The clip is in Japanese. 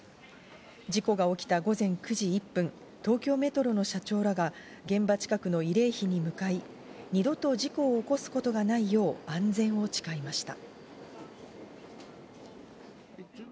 事故が起きた午前９時１分、東京メトロの社長らが現場近くの慰霊碑に向かい、二度と事故を起こすことがないよう安全を誓いました。